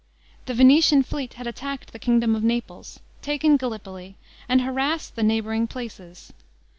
The Venetian fleet had attacked the kingdom of Naples, taken Gallipoli, and harassed the neighboring places.